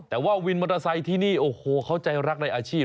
แต่ว่าวินมอเตอร์ไซค์ที่นี่โอ้โหเขาใจรักในอาชีพ